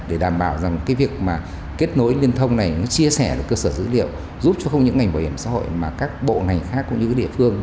để đảm bảo rằng cái việc mà kết nối liên thông này nó chia sẻ được cơ sở dữ liệu giúp cho không những ngành bảo hiểm xã hội mà các bộ ngành khác cũng như cái địa phương